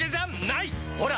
ほら！